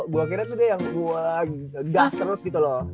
gue akhirnya tuh dia yang wah gas terus gitu loh